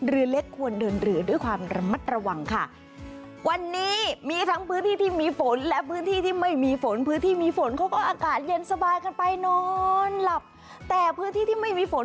เรือเล็กควรเดินหรือด้วยความระมัดระวังค่ะวันนี้มีทั้งพื้นที่ที่มีฝนและพื้นที่ที่ไม่มีฝน